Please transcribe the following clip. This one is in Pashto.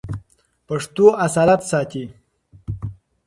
پښتو اصالت ساتي.